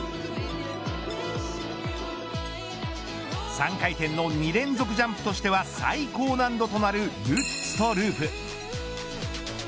３回転の２連続ジャンプとしては最高難度となるルッツとループ。